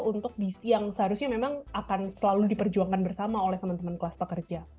untuk bisnis yang seharusnya memang akan selalu diperjuangkan bersama oleh teman teman kelas pekerja